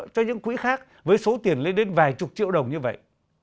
cho những quỹ khác với số tiền lên đến vài chục triệu đồng như vậy